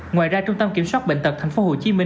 ngoài ra trung tâm kiểm soát bệnh tật tp hcm